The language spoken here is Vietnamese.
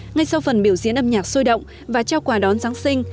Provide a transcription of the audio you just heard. ngay sau phần biểu diễn âm nhạc sôi động và trao quà đón giáng sinh